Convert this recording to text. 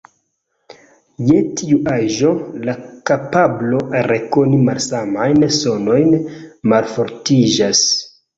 Je tiu aĝo, la kapablo rekoni malsamajn sonojn malfortiĝas.